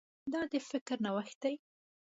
دا د فکر نوښت دی.